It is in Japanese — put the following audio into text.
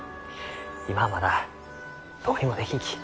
今はまだどうにもできんき。